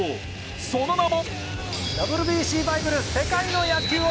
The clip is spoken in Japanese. その名も。